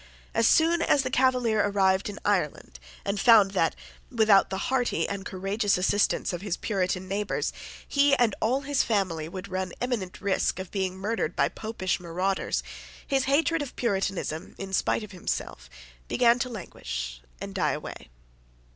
As soon as the Cavalier arrived in Ireland, and found that, without the hearty and courageous assistance of his Puritan neighbours, he and all his family would run imminent risk of being murdered by Popish marauders, his hatred of Puritanism, in spite of himself, began to languish and die away.